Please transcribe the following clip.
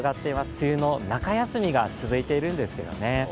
梅雨の中休みが続いているんですけどね。